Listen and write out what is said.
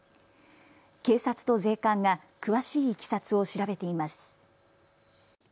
警察と税関が詳しいいきさつを調べています。